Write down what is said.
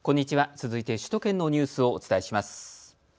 続いて首都圏のニュースをお伝えします。